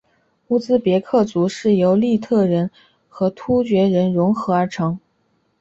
乌兹别克族是由粟特人和突厥人溶合而成。